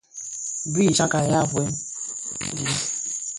Bui titsàb yaà bwem bi.